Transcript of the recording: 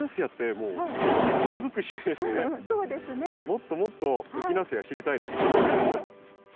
もっともっとエキナセア知りたいです。